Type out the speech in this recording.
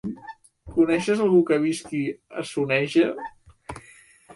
Coneixes algú que visqui a Soneja?